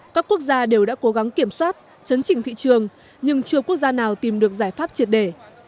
các quốc gia đều đã cố gắng kiểm soát chấn chỉnh thị trường nhưng chưa quốc gia nào tìm được giải pháp triệt để